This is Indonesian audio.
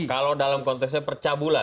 kalau dalam konteksnya percabulan